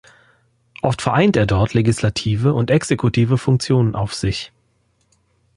Oft vereint er dort legislative und exekutive Funktionen auf sich.